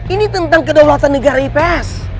ini tentang kedaulatan negara ips